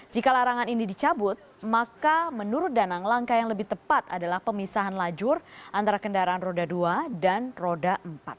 jika larangan ini dicabut maka menurut danang langkah yang lebih tepat adalah pemisahan lajur antara kendaraan roda dua dan roda empat